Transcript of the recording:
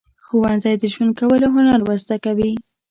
ښوونځی د ژوند کولو هنر ورزده کوي.